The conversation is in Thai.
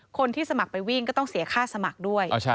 คนที่สมัครไปวิ่งก็ต้องเสียค่าสมัครด้วย